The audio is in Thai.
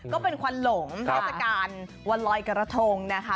ก็เป็นควันหลงภาษาการย์วรรย์กระทงนะคะ